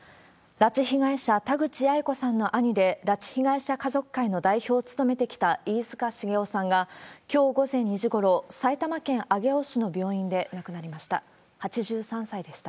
拉致被害者、田口八重子さんの兄で、拉致被害者家族会の代表を務めてきた飯塚繁雄さんが、きょう午前２時ごろ、埼玉県上尾市の病院で亡くなりました。